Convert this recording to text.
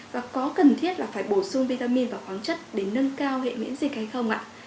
và có cần thiết là phải bổ sung vitamin và khoáng chất để nâng cao hệ miễn dịch hay không ạ